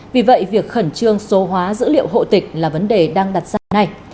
vì vậy việc khẩn trương số hóa dữ liệu hộ tịch là vấn đề đang đặt ra ngay